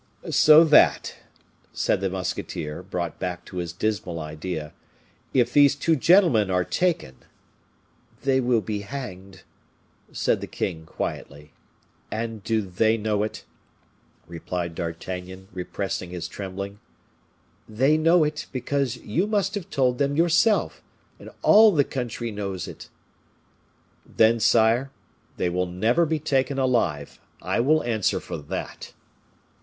"So that," said the musketeer, brought back to his dismal idea, "if these two gentlemen are taken " "They will be hanged," said the king, quietly. "And do they know it?" replied D'Artagnan, repressing his trembling. "They know it, because you must have told them yourself; and all the country knows it." "Then, sire, they will never be taken alive, I will answer for that."